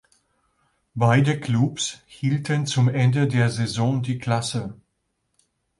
Beide Clubs hielten zum Ende der Saison die Klasse.